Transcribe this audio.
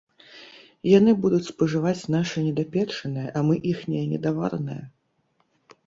Яны будуць спажываць наша недапечанае, а мы іхняе недаваранае?